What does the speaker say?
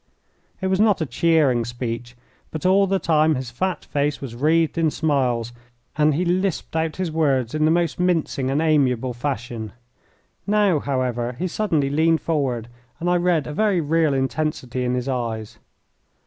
It was not a cheering speech; but all the time his fat face was wreathed in smiles, and he lisped out his words in the most mincing and amiable fashion. Now, however, he suddenly leaned forward, and I read a very real intensity in his eyes.